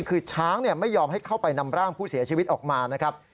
คือช้างไม่ยอมให้เข้าไปนำร่างผู้เสียชีวิตออกมานะครับ